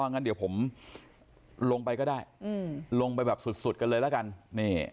งั้นเดี๋ยวผมลงไปก็ได้ลงไปแบบสุดกันเลยละกัน